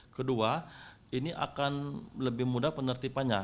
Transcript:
kedua ini akan lebih mudah penertibannya